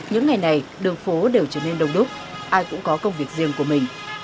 những ngày này đường phố đều trở nên đông đúc ai cũng có công việc riêng của mình